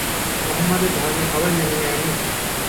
মুহাম্মাদের ধর্ম সবাই মেনে নেয়নি।